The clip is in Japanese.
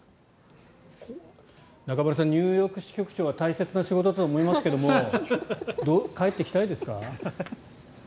中丸さん、ニューヨーク支局長は大切な仕事だと思いますけども帰ってきたいですか？